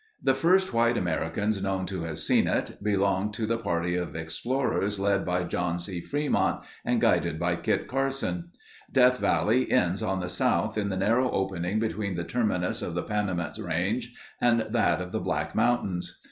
The first white Americans known to have seen it, belonged to the party of explorers led by John C. Fremont and guided by Kit Carson. Death Valley ends on the south in the narrow opening between the terminus of the Panamint Range and that of the Black Mountains.